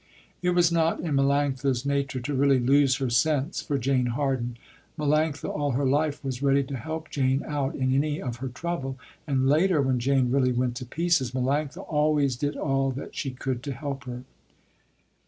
It was not in Melanctha's nature to really lose her sense for Jane Harden. Melanctha all her life was ready to help Jane out in any of her trouble, and later, when Jane really went to pieces, Melanctha always did all that she could to help her.